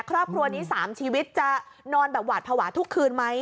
ครอบครัวนี้๓ชีวิตจะนอนแบบหวาดภาวะทุกคืนไหม